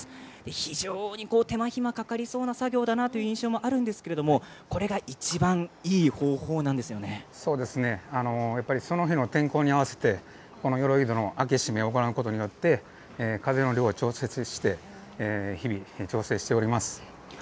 非常に手間暇かかりそうな作業だなという印象がありますがこれがいちばんそうですねその日の天候に合わせてよろい戸の開け閉めを行うことによって風の量を調節して日々、調整しております。